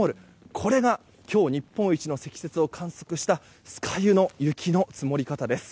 これが、今日日本一の積雪を観測した酸ヶ湯の雪の積もり方です。